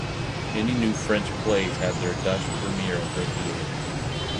Many new French plays had their Dutch premiere in her theatre.